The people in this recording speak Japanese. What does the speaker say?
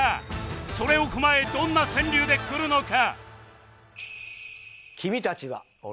それを踏まえどんな川柳でくるのか！？